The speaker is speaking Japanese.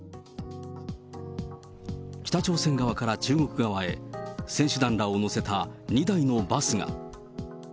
北朝鮮側から中国側へ、選手団らを乗せた２台のバスが。